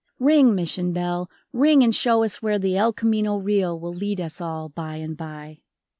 Ring, Mission bell, ring and show us where the El Camino Real will lead us all by and by.